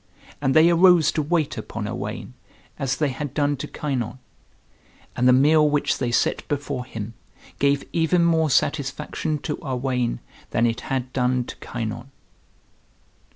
And they arose to wait upon Owain, as they had done to Kynon. And the meal which they set before him gave even more satisfaction to Owain than it had done to Kynon.